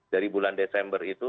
dari bulan desember itu